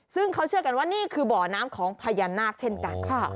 ซึ่งเขาเชื่อกันว่านี่คือบ่อน้ำของพญานาคเช่นกัน